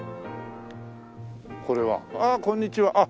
これはああこんにちは。